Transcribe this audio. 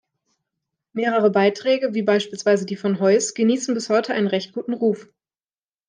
Mehrere Beiträge, wie beispielsweise die von Heuß, genießen bis heute einen recht guten Ruf.